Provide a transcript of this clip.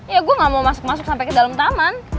ya gue gak mau masuk masuk sampai ke dalam taman